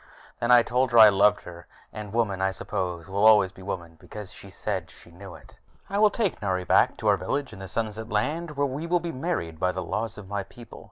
Then I told her I loved her, and women, I suppose, will always be women, because she said she knew it. I will take Nari back to our village in the Sunset Land, where we will be married by the laws of my people.